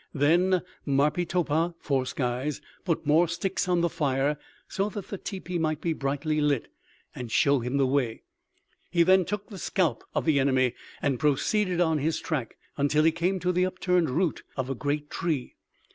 "Then Marpeetopah (Four skies) put more sticks on the fire so that the teepee might be brightly lit and show him the way. He then took the scalp of the enemy and proceeded on his track, until he came to the upturned root of a great tree.